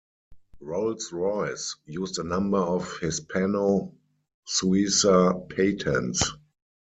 Rolls-Royce used a number of Hispano-Suiza patents.